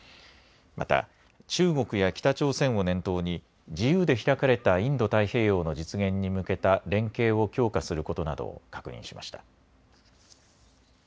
また中国や北朝鮮を念頭に自由で開かれたインド太平洋の実現に向けた連携を強化することなどを確認しました。